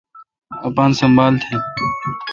اپان سنبھال تھ۔